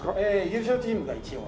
優勝チームが一応。